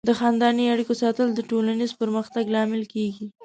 د خاندنۍ اړیکو ساتل د ټولنیز پرمختګ لامل کیږي.